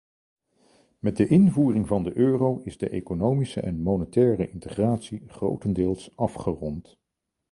Met de invoering van de euro is de economische en monetaire integratie grotendeels afgerond.